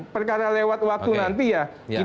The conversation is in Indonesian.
perkara lewat waktu nanti ya